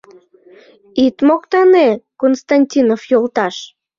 Ит моктане, Константинов йолташ.